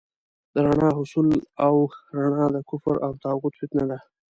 د رڼا حصول او رڼا د کفر او طاغوت فتنه ده.